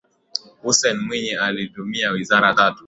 Hussein Mwinyi alihudumia wizara tatu